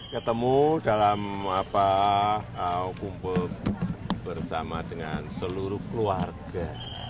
ketemu dalam kumpul bersama dengan seluruh keluarga